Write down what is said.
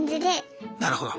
なるほど。